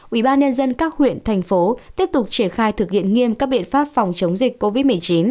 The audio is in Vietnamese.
ủy ban nhân dân các huyện thành phố tiếp tục triển khai thực hiện nghiêm các biện pháp phòng chống dịch covid một mươi chín